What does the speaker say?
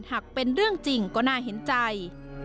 หากเป็นเรื่องจริงก็น่าเห็นใจ